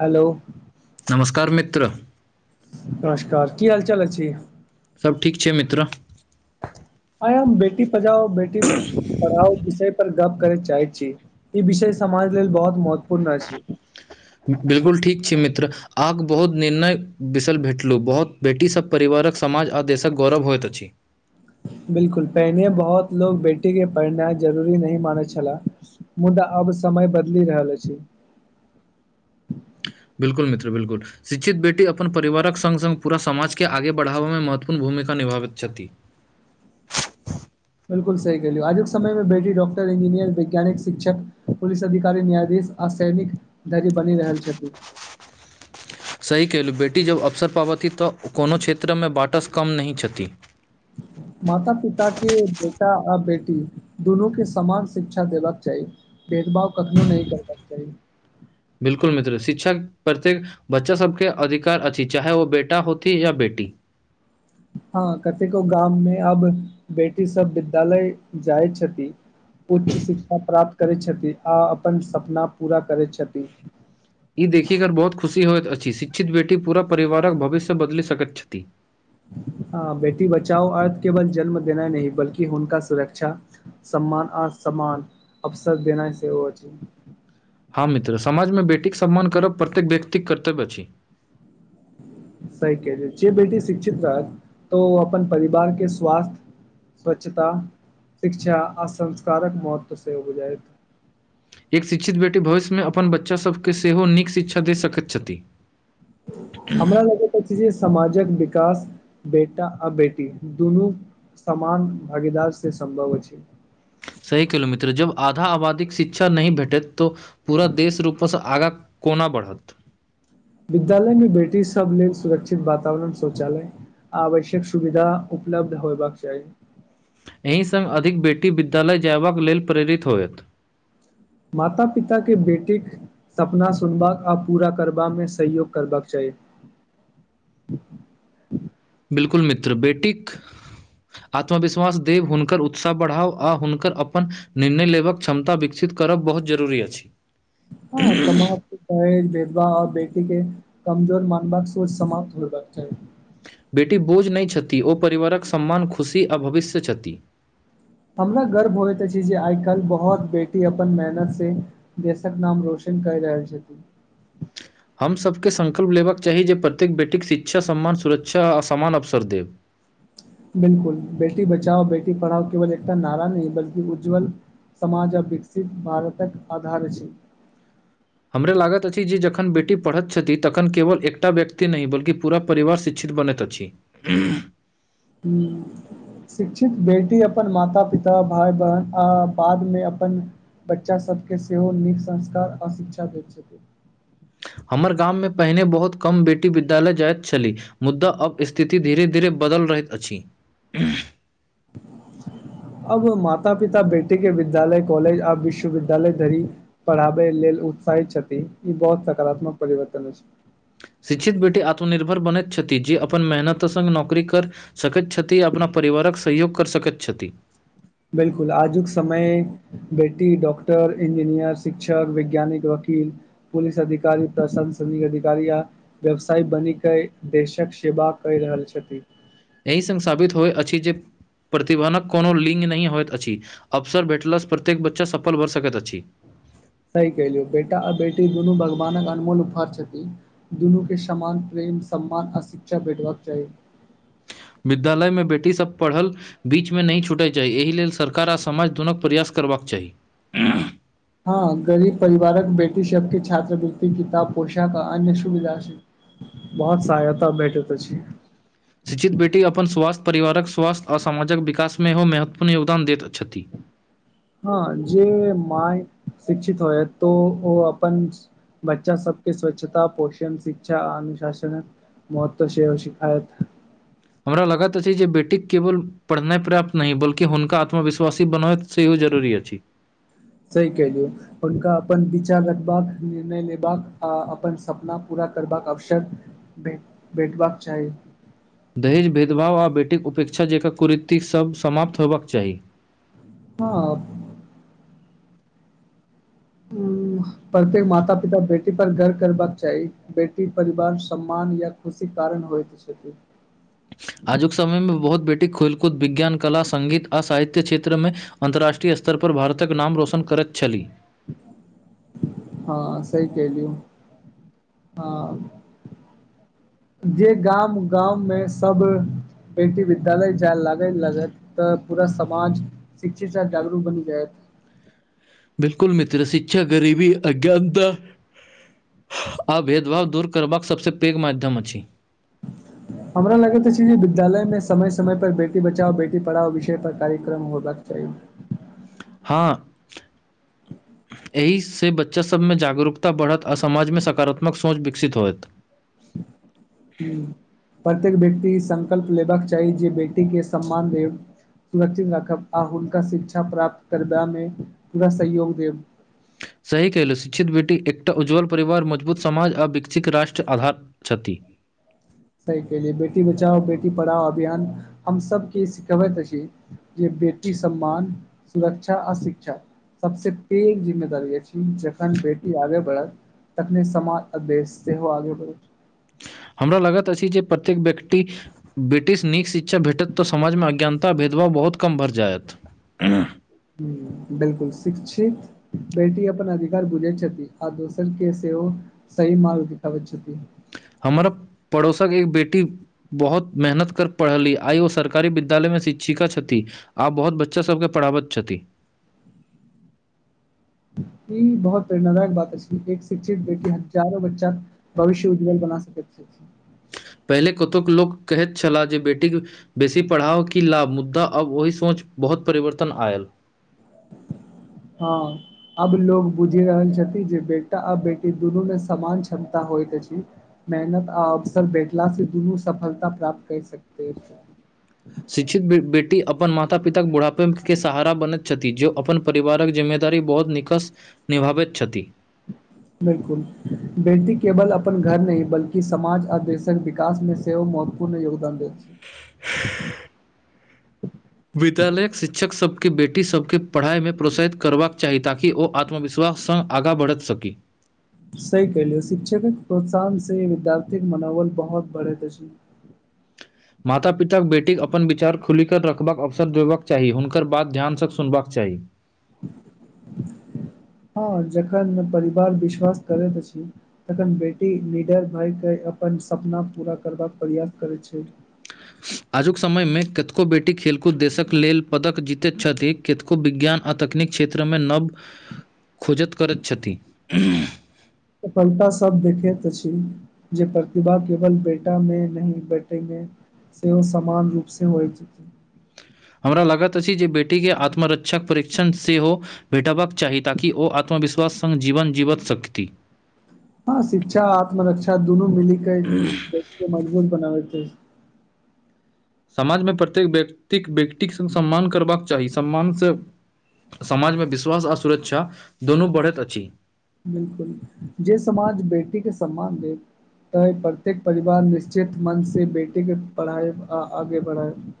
Hello नमस्कार मित्र नमस्कार की हाल चाल अ छी सब ठीक छै मित्र आय हम बेटी पजाओ बेटी पढ़ाउ विषय पर गप करे चाहे छी ई विषय समाज लेल बहुत महत्वपूर्ण छै बिलकुल ठीक छै मित्र आग बहुत निर्णय बिसल भेटलहुँ बहुत बेटीसभ परिवारक समाज आ देशक गौरव होइत अछि बिलकुल पहिने बहुत लोग बेटी के पढ़नाइ जरूरी नहिह मानै छला मुदा अब समय बदलि रहल अछि बिलकुल मित्र बिलकुल शिक्षित बेटी अपन परिवारक सङ्ग सङ्ग पूरा समाजके आगे बढ़ाबय मे महत्वपूर्ण भूमिका निभाबैत छथि बिल्कु सही कहलु आजुक समय में बेटी डॉ्टर इंजीनियर वैज्ञानिक शिक्षक पुिस अधिकार न्यायाधीश आ सैनिक धरी बनि रहल छथि सही केलहुँ बेटी जब अवसर पाबथि तऽ कोनो क्षेत्रमे बाटस कम नहि छथि माता पिता के बेटा आ बेटी दुनू के समान शिक्षा देबाक चाही भेदभाव कखनो नहि करता सही बिलकुल मित्र शिक्षक प्रत्यक बच्चा सबके अधिकार अछि चाहे ओ बेटा होती या बेटी हँ कतेको गाममे अब बेटी सब विद्यालय जाइ छथि उच्च शिक्षा प्राप्त करै छथि आ अपन सपना पूरा करै छथिन ई देखिकर बहुत खुशी होइत अछि शिक्षित बेटी पूरा परिवारक भविष्य बदलि सकैत छथि ह बेटी बचाओ अर्थ केवल जन्म देना नहि बल्कि हुनका सुरक्षा सम्मान आ समान अवसर देना सेहो छै हँ मित्र समाजमे बेटीके सम्मान करब प्रत्येक व्यक्तिक कर्तव्य अछि सही के छै जे बेटी शिक्षित रहत तऽ ओ अपन परिवार के स्वास्थ्य स्वच्छता शिक्षा आ संस्कारक महत्व सेहो बुझायत एक शिक्षित बेटी भविष्य मे अपन बच्चासभकेँ सेहो नीक शिक्षा दे सकैत छथि हमरा लोगक अछि जे समाजक विकास बेटा आ बेटी दुनू समान भगीदार से सम्भव अछि सही केलो मित्र जब आधा आबादीक शिक्षा नहि भेटैत तऽ पूरा देश रूप सँ आगाँ कोना बढ़त विद्यालय में बेटी सब लेल सुरक्षित वातावरण शौचालय आवश्यक सुविधा उपलब्ध होयबाक चाही एहि संग अधिक बेटी विद्यालय जयबाक लेल प्रेरित होयत माता पिता के बेटीक सपना सुनबाक आ पूरा करबा मे सहयोग करबाक चाही बिलकुल मित्र बेटीक [inaudible] आत्मविश्वास देब हुनकर उत्साह बढ़ाव आ हुनकर अपन निर्णय लेबक क्षमता बिक सीत करब बहुत जरूरी अछि हँ समाप्त देहज विधवा आओर बेटीके कमजोर मानबाक सोच समाप्त होयबाक चाही बेटी बोझ नहि छथि ओ परिवारक सम्मान खुशी आ भविष्य छथि हमरा गर्व होइत अछि जे आय काल्हि बहुत बेटी अपन मेहनत से देशक नाम रोशन करि रहल छथि हमसभके संकल्प लेबाक चाही जे प्रत्येक बेटीके शिक्षा सम्मान सुरक्षा आ समान अवसर देब बिल्कुल बेटी बचाओ बेटी पढ़ाओ केवल एकटा नारा नहि बल्कि उज्ज्वल समाज आ विकसित भारतक आधार अछि हमरा लागत अछि जे जखन बेटी पढ़ैत छथि तखन केवल एकटा व्यक्ति नहि बल्कि पूरा परिवार शिक्षित बनैत अछि हूँ शिक्षित बेटी अपन माता पिता भाय बहिन आ बादमे अपन बच्चा सभके सेहो नीक संस्कार आ शिक्षा दैत छथिन हमर गाममे पहिने बहुत कम बेटी विद्यालय जाइत छलीह मुद्दा अब स्थिति धीरे धीरे बदल रहैत अछि ब [unintelligible] अब माता पिता बेटी के विद्यालय कॉलेज आब विश्वविद्यालय धरी पढ़ाबै लेल उत्साहित छथि ई बहुत सकारात्मक परिवर्तन अछि शिक्षित बेटी आत्मनिर्भर बनैत छथि जे अपन मेहनत संग नौकरी कर सकैत छथि अपना परिवारक सहयोग कर सकैत छथि बिल्कुल आजुक समय बेटी डाक्टर इंजीनियर शिक्षक वैज्ञानिक वकील पुलिस अधिकारी प्रशासनिक अधिकारी या व्यवसाय बनिक देशक सेवा करि रहल छथि एहि स साबित होइत अछि जे प्रतिभानक कोनो लिंग नहि होइत अछि अवसर भेटलासँ प्रत्येक बच्चा सफल भऽ सकैत अछि सही कहिलियौ बेटा आ बेटी दुनू भगवानक अनमोल उपहार छथिन दुनू के समान प्रेम सम्मान आ शिक्षा भेटबाक चाही विद्यालयमे बेटीसभ पढ़ल बीचमे नहि छूटय चाही एहि लेल सरकार आ समाज दूनू प्रयास करबाक चाही ह हँ गरीब परिवारक बेटी सबके छात्रवृति किताब पोशाक आ अन्य सुविधा छै बहुत सहायता भेटैत अछि शिक्षित बेटी अपन स्वास्थ्य परिवारक स्वास्थ्य आ समाजक विकासमे सेहो महत्वपूर्ण योगदान दैत छथि हँ जेे माय शिक्षित होय तो ओ अपन बच्चा सबके स्वच्छता पोषण शिक्षा अनुशासन महत्व से शिखायत हमरा लागैत अछि जे बेटी केबल पढ़नाइ पर्याप्त नहि बल्कि हुनका आत्मविश्वासी बनै से जरुरी अछि सही केहलु हुनका अपन विचार रखबाक निर्णय लेबाक आ अपन सपना पूरा करबाक अवसर भ भेटबाक चाही दहेज भेदभाव आ बेटीक उपेक्षा जकर कुरीतिसभ समाप्त होयबाक चाही हँ ह प्रत्येक माता पिता बेटी पर गर्व करबाक चाही बेटी परिवार सम्मान या खुशी कारण होइत छथि आजुक समय मे बहुत बेटी खेलकूद विज्ञान कला संगीत आ साहित्य क्षेत्रमे अन्तर्राष्ट्रीय स्तर पर भारतक नाम रोशन करैत छली हँ सही कहलि ह जे गाम गाँवमे सब बेटी विद्यालय जाय लागे लागैत तऽ पूरा समाज शिक्षित साथ जागरूक बनि जाय बिलकुल मित्र शिक्षा गरीबी अज्ञानता आ भेदभाव दूर करबाक सभसँ पैघ माध्यम अछि हमरा लगैत अछि जे विद्यालय में समय समय पर बेटी बचाओ बेटी पढ़ाओ विषय पर कार्यक्रम होबाक चाही हॅ [inaudible] एहि से बच्चासभमे जागरूकता बढ़त आ समाजमे सकारात्मक सोच विकसित होयत हूँ प्रत्येक व्यक्ति ई संकल्प लेबाक चाही जे बेटी के सम्मान दे सुरक्षित राखब आ हुनका शिक्षा प्राप्त करबामे पूरा सहयोग देब सही कलहु शिक्षित बेटी एकटा उज्ज्वल परिवार मजबूत समाज आ विकसित राष्ट्र आधार छथि सही के लिए बेटी बचाओ बेटी पढ़ाओ अभियान हम सब की सिखबैत अछि जे बेटी सम्मान सुरक्षा आ शिक्षा सबसे पैघ जिम्मेदारी य छी जखन बेटी आगे बढ़त तखने समाज आ देस सेहो आगे बढ़ैत छै हमरा लगैत अछि जे प्रत्येक व्यक्ति ब्रिटिश नीक शिक्षा भेटत तऽ समाजमे अज्ञानता भेदभाव बहुत कम भर जायत ह बिलकुल शिक्षित बेटी अपन अधिकार बुझे छथि आ दोसर के सेहो सहि मार्ग देखाबे छथि हमर पड़ोसक एक बेटी बहुत मेहनत कर पढ़ली आइ ओ सरकारी विद्यालय में शिक्षिका छथि आ बहुत बच्चा सबके पढ़ाबै छथिन ई बहुत प्रेरणाादायक बात अछि एक शिक्षित बेटी हजारो बच्चा भविष्य उज्जवल बना सकैत छथि पहिले कतहुक लोक कहैत छलाह जे बेटीक बेसी पढ़ाव क लाभ मुद्दा अब ओहि सोच बहुत परिवर्तन आयल हँ आब लोग बुझि रहल छथिन जे बेटा आ बेटी दुनू मे समान क्षमता होइत अछि मेहनत आ अवसर भेटला से दुनू सफलता प्राप्त कर सकते ह शिक्षित बेटी अपन माता पिताक बुढ़ापे के सहारा बनैत छथि जे अपन परिवारक जिम्मेदारी बहुत निकस निभाबैत छथि बिलकुल बेटी केवल अपन घर नहि बल्कि समाज आ देशक विकास मे से सेओ महत्वपूर्ण योगदान दैत अछि [inaudible] विद्यालयक शिक्षक सभके बेटी सभके पढ़ाई मे प्रोत्साहित करबाक चाही ताकि ओ आत्मविश्वास सँ आगाँ बढ़ि सकी सही क लियौ शिक्षक प्रोत्साहन से विद्यार्थीके मनोबल बहुत बढ़ए अछि माता पिताक बेटीके अपन विचार खुलि कऽ रखबाक अवसर देबाक चाही हुनकर बात ध्यानसँ सुनबाक चाही हँ जखन परिवार विश्वास करैत अछि तखन बेटी निडर भय के अपन सपना पूरा करबाक प्रयास करै छै आजुक समय मे कतेको बेटी खेलकूद देशक लेल पदक जीतैत छथि केतेको विज्ञान आ तकनीक क्षेत्र मे नव खोजत करैत छथि सफलता सब देखेत अछि जे प्रतिभा केवल बेटा में न बेटि मे सेहो समान रूपसँ होइत हमरा लागैत अछि जे बेटीके आत्मरक्षक परीक्षण सेहो भेटबाक चाही ताकि ओ आत्मविश्वास सङ्ग जीवन जीवत सकति हँ शिक्षा आत्मरक्षा दुनू मिलकेे बेटि के मजबूत बनाबैतै समाजमे प्रत्येक व्यक्तिक व्यक्तिक सम्मान करबाक चाही सम्मान सँ समाज मे विश्वास आ सुरक्षा दुनू बढ़ैत अछि बिलकुल जे समाज बेटी के सम्मान देय तऽ प्रत्येक परिवार निश्चित मनसँ बेटीके पढ़ाइब आ आगे बढ़ाइब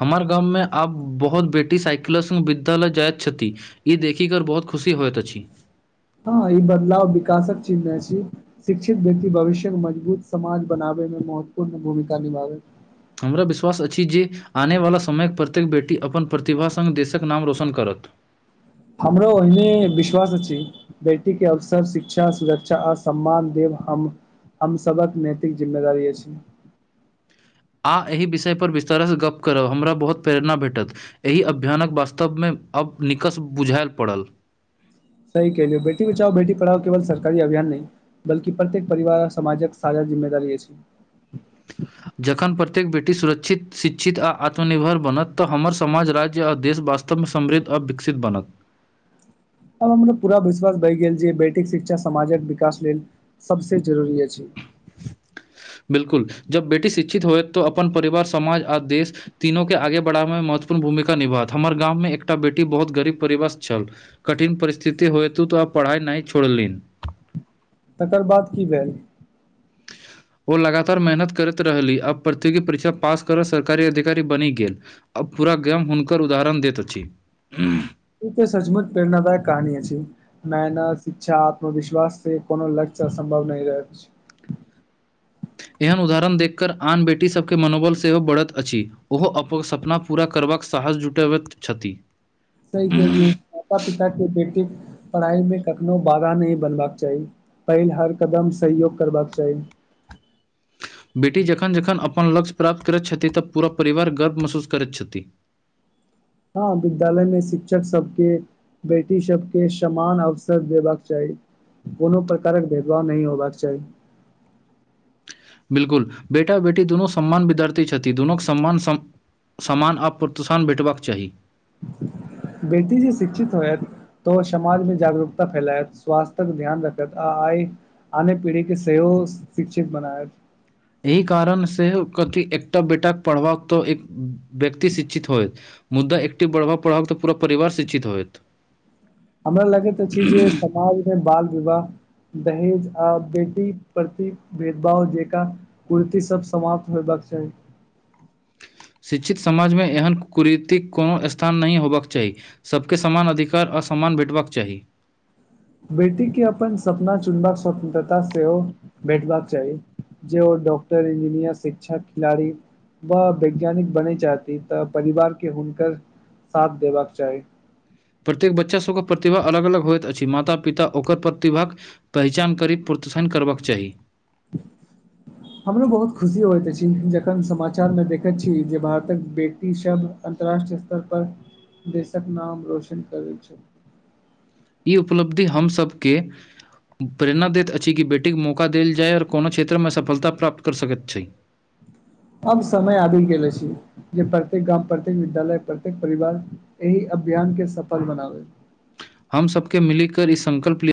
हमर गाँव मे आब बहुत बेटी साइकिलो सँ विद्यालय जाइत छथि ई देखी कर बहुत खुशी होइत अछि हँ ई बदलाव विकासक चीज नइ छी शिक्षित व्यक्ति भविष्यमे मजबूत समाज बनाबैमे महत्वपूर्ण भूमिका निभाबै हमरा विश्वास अछि जे आनेवला समयक प्रत्येक बेटी अपन प्रतिभा संग देशक नाम रोशन करत हमरो ओहिने विश्वास अछि बेटी के अवसर शिक्षा सुरक्षा आर सम्मान देव हम हम सभक नैतिक जिम्मेदारी अछि आह एहि विषय पर विस्तार सँ गप्प करब हमरा बहुत प्रेरणा भेटत एहि अभियानक वास्तवमे आब निकस बुझाइल पड़ल सही केलियौ बेटी बचाव बेटी पढ़ाउ केवल सरकारी अभियान नहि बलकि प्रत्येक परिवार समाजक सादा जिम्मेदारी अछि [unintelligible] जखन प्रत्येक बेटी सुरक्षित शिक्षित आ आत्मनिर्भर बनत तऽ हमर समाज राज्य आ देश वास्तव मे समृद्ध आ विकसित बनत आब हमरा पूरा विश्वास भइ गेल जे बेटीक शिक्षा समाजक विकास लेल सभसँ जरूरी अछि [inaudible] बिलकुल जब बेटी शिक्षित होएत तोऽ अपन परिवार समाज आ देश तीनो के आगे बढ़ाबे मे महत्वपूर्ण भूमिका निभाओत हमर गाममे एकटा बेटी बहुत गरीब परिवार सँ छल कठिन परिस्थिति होय तू तो उ पढ़ाइ नहि छोड़ली तकर बाद की भेल ओ लगातार मेहनत करैत रहली आब प्रतियोगी परीक्षा पास करऽ सरकारी अधिकारी बनि गेल अब पूरा गाम हुनकर उदाहरण देैत अछि ई तऽ सच - मुच प्रेरणादायक कहानी अछि मेहनत शिक्षा आत्मविश्वास से कोनो लक्ष्य असम्भव नहि रहै एहन उदाहरण देखि कऽ आन बेटी सभके मनोबल सेहो बढ़त अछि ओहो अपन सपना पूरा करबाक साहस जुटबैत छथि केह देलियू माता पिता के बेटी पढ़ाई मे कखनो बधा नहि बनबाक चाही पहिल हर कदम सहयोग करबाक चाही बेटी जखन जखन अपन लक्ष्य प्राप्त करैत छथि तऽ पूरा परिवार गर्व महसूस करैत छथि हँ विद्यालय मे शिक्षक सबके बेटी सबके समान अवसर देबाक चाही कोनो प्रकारक भेदभाव नहि होबाक चाही बिलकुल बेटा बेटी दुनू सम्मान विद्यार्थी छथि दुनू सम्मान सामान आ प्रोत्साहन भेटबाक चाही बेटी जे शिक्षित होयत त समाजमे जागरूकता फैलायत स्वासथ्य ध्यान रखत आ आइ आने पीढ़ीके सेहो शिक्षित बनाएत एहि कारण से कथि एकटा बेटाक पढ़बाक तऽ एक व्यक्ति शिक्षित होयत मुद्दा एकटि बढ़बा पढ़ब तऽ पुरा परिवार शिक्षित होयत हमरा लगैत अछि जे समाज मे बाल विवाह दहेज आ बेटी प्रति भेद - भाव जेका कुर्ती सब समाप्त होयबाक चाही शिक्षित समाजमे एहन कुरीतिक को स्थान नहि हेयबाक चाही सभके समान अधिकार आ समान भेटबाक चाही बेटी के अपन सपना चुनबाक स्वतंत्रता सेहो भेटबाक चाही जे ओ डॉक्टर इंजीनियर शिक्षक खिलाड़ी वाह वैज्ञानिक बने चाहती तऽ परिवार के हुनकर साथ देबाक चाही। प्रत्येक बच्चासभके प्रतिभा अलग अलग होइत अछि माता पिता ओकर प्रतिभाक पहिचान करी प्रोत्साहन करबाक चाही। [unintelligible] हमरो बहुत खुशी होइत अछि जखन समाचारमे देखैत छी जे भारतक बेटी सब अन्तर्राष्ट्रीय स्तर पर देशक नाम रोशन करैत छैथ। ई उपलब्धि हम सभके प्रेरणा दैत अछि कि बेटीके मौका देल जाय ओर कोनो क्षेत्रमे सफलता प्राप्त कर सकैत छैय। आब समय आबि गेल छी जे प्रत्येक गाम प्रत्येक विद्यालय प्रत्येक परिवार एहि अभियान के सफल बनावे। हम सबके मिली कर ई संकल्प ले